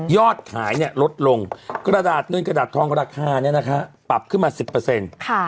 อดขายเนี่ยลดลงกระดาษเงินกระดาษทองราคาเนี่ยนะคะปรับขึ้นมาสิบเปอร์เซ็นต์ค่ะ